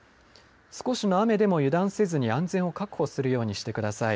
少しの雨でも油断せずに、安全を確保するようにしてください。